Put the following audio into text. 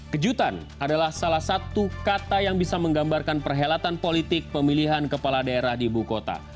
kejutan adalah salah satu kata yang bisa menggambarkan perhelatan politik pemilihan kepala daerah di ibu kota